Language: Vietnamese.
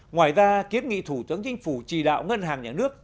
ngoài ra kiến nghị thủ tướng chính phủ chỉ đạo ngân hàng nhà nước